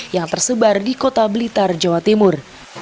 yang tersebar di kota blitar jawa timur